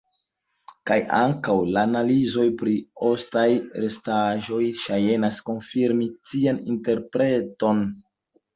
Kaj ankaŭ la analizoj pri la ostaj restaĵoj ŝajnas konfirmi tian interpreton.